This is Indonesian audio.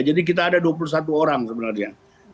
jadi kita ada dua puluh satu orang sebenarnya